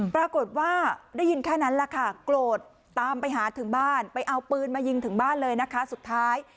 ปรากฏว่าได้ยินแค่นั้นแหละค่ะโกรธตามไปหาถึงบ้านไปเอาปืนมายิงถึงบ้านเลยนะคะสุดท้าย